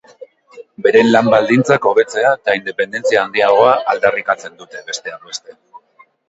Beren lan baldintzak hobetzea eta independentzia handiagoa aldarrikatzen dute, besteak beste.